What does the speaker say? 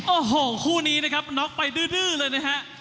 โอ้โหคู่นี้นะครับน็อกไปดื้อเลยนะฮะ